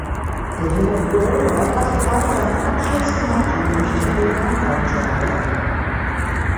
Der junge Grover hat gerade seinen Abschluss gemacht und möchte Romanautor werden.